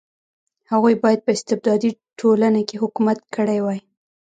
هغوی باید په استبدادي ټولنه کې حکومت کړی وای.